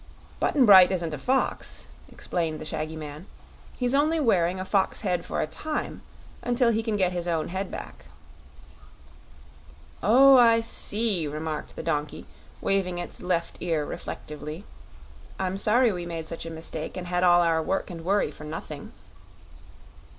"Button Bright isn't a fox," explained the shaggy man. "He's only wearing a fox head for a time, until he can get his own head back." "Oh, I see," remarked the donkey, waving its left ear reflectively. "I'm sorry we made such a mistake, and had all our work and worry for nothing."